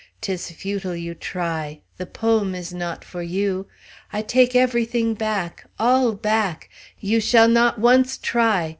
'Tis futile you try the poem is not for you! I take every thing back! all back! You shall not once try!